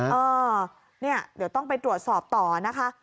เออเนี่ยเดี๋ยวต้องไปตรวจสอบต่อนะคะ